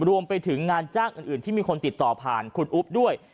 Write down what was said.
รวมไปถึงงานจ้างอื่นที่มีคนติดต่อผ่านคุณอุ๊บด้วย